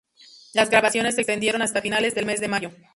Las grabaciones se extendieron hasta finales del mes de mayo.